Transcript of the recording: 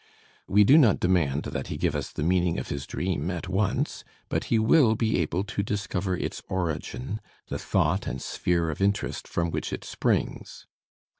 We do not demand that he give us the meaning of his dream at once, but he will be able to discover its origin, the thought and sphere of interest from which it springs.